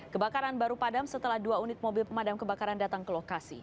kebakaran baru padam setelah dua unit mobil pemadam kebakaran datang ke lokasi